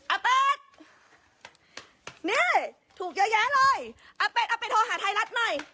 เป๊กนี่ถูกเยอะแยะเลยอาเป็ดเอาไปโทรหาไทยรัฐหน่อย